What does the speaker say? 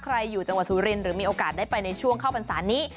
อยู่จังหวัดสุรินหรือมีโอกาสได้ไปในช่วงเข้าพรรษานี้